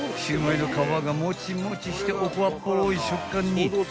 ［シューマイの皮がもちもちしておこわっぽい食感に］